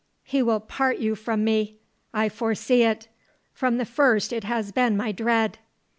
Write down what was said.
He will part you from me! I foresee it! From the first it has been my dread!"